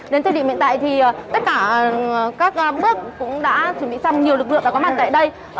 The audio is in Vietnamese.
đến thời điểm hiện tại thì tất cả các bước cũng đã chuẩn bị xong nhiều lực lượng đã có mặt tại đây